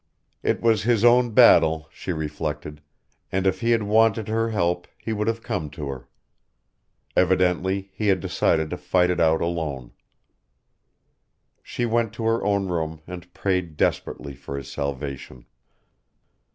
It was his own battle, she reflected, and if he had wanted her help he would have come to her. Evidently, he had decided to fight it out alone. She went to her own room and prayed desperately for his salvation.